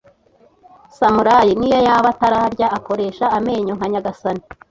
Samurai, niyo yaba atararya, akoresha amenyo nka nyagasani.